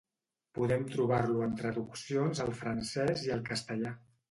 Podem trobar-lo en traduccions al francès i al castellà.